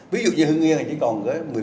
ví dụ như hưng yên là chỉ còn một mươi